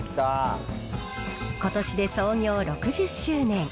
ことしで創業６０周年。